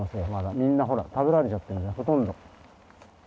みんなほら食べられちゃってるんだよほとんど。